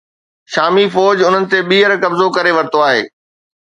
شامي فوج انهن تي ٻيهر قبضو ڪري ورتو آهي